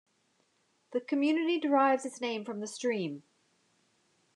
The community derives its name from the stream.